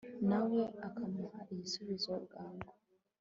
na we akamuha igisubizo bwangu